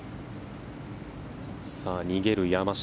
逃げる山下。